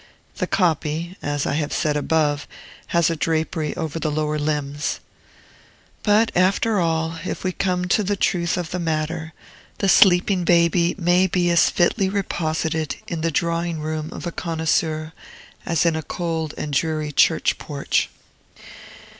The copy, as I have said above, has a drapery over the lower limbs. But, after all, if we come to the truth of the matter, the sleeping baby may be as fully reposited in the drawing room of a connoisseur as in a cold and dreary church porch.